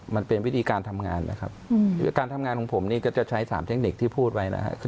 มันเป็นวิธีการทำงานนะครับการทำงานของผมนี่ก็จะใช้๓เทคนิคที่พูดไว้นะครับ